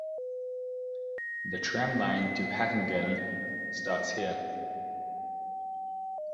The tramline to Hattingen starts here.